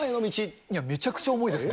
いや、めちゃくちゃ重いですね。